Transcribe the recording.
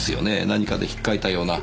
何かで引っかいたような。